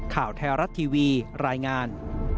ข่าวไทยรัฐทีวีรายงาน